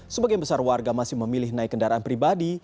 sebagian besar warga masih memilih naik kendaraan pribadi